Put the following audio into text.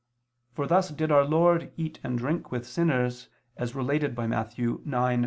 For thus did Our Lord eat and drink with sinners as related by Matt. 9:11 13.